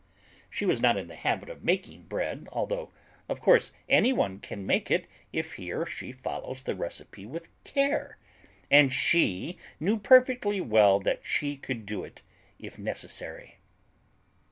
She was not in the habit of making bread, although, of course, anyone can make it if he or she follows the recipe with care, and she knew perfectly well that she could do it if necessary.